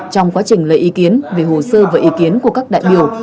trong quá trình lấy ý kiến về hồ sơ và ý kiến của các đại biểu